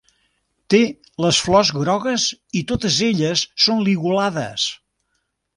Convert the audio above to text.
Té les flors grogues i totes elles són ligulades.